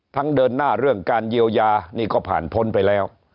เดินหน้าเรื่องการเยียวยานี่ก็ผ่านพ้นไปแล้ว